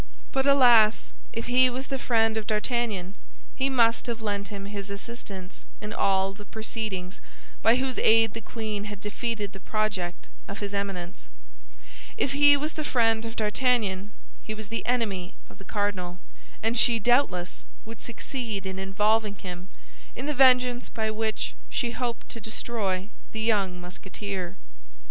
But alas, if he was the friend of D'Artagnan, he must have lent him his assistance in all the proceedings by whose aid the queen had defeated the project of his Eminence; if he was the friend of D'Artagnan, he was the enemy of the cardinal; and she doubtless would succeed in involving him in the vengeance by which she hoped to destroy the young Musketeer.